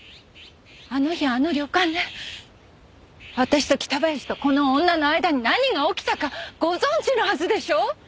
あの日あの旅館で私と北林とこの女の間に何が起きたかご存じのはずでしょう？